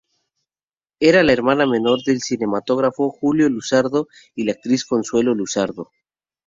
Era la hermana menor del cinematógrafo Julio Luzardo y de la actriz Consuelo Luzardo.